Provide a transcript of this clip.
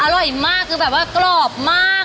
อร่อยมากคือแบบว่ากรอบมาก